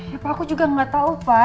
ya pak aku juga gak tau pak